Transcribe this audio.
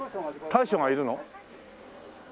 大将がいるの？